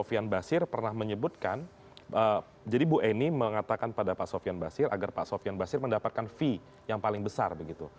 sofian basir pernah menyebutkan jadi bu eni mengatakan pada pak sofian basir agar pak sofian basir mendapatkan fee yang paling besar begitu